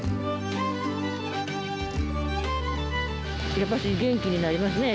やっぱし元気になりますね。